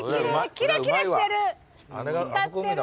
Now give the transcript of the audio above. キラキラしてる。